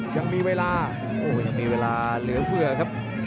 อย่างมีเวลาเหลือเฟือครับ